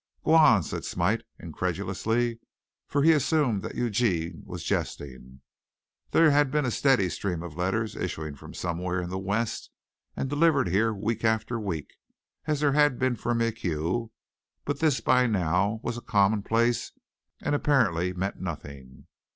"G'wan!" said Smite, incredulously, for he assumed that Eugene was jesting. There had been a steady stream of letters issuing from somewhere in the West and delivered here week after week, as there had been for MacHugh, but this by now was a commonplace, and apparently meant nothing.